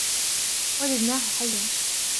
وجدناه حيا.